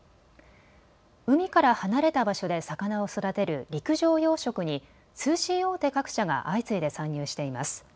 海から離れた場所で魚を育てる陸上養殖に通信大手各社が相次いで参入しています。